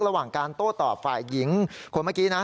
ระหว่างการโต้ตอบฝ่ายหญิงคนเมื่อกี้นะ